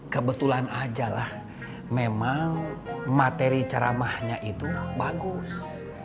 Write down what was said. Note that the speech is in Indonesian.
kebetulan ajalah memang materi ceramahnya itu bagus